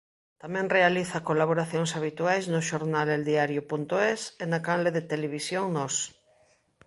Tamén realiza colaboracións habituais no xornal Eldiario.es e na canle de televisión Nós.